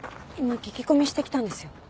今聞き込みしてきたんですよ。